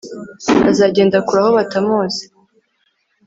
azagenda kure aho batamuzi